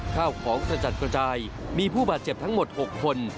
ข้าวของกระจัดกระจายมีผู้บาดเจ็บทั้งหมด๖คน